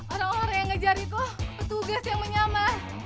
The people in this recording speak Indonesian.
orang orang yang ngejar itu petugas yang menyama